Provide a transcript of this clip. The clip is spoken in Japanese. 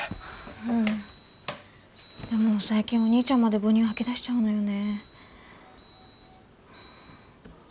うんでも最近お兄ちゃんまで母乳を吐き出しちゃうのよね